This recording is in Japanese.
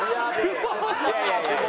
いやいやいやいや。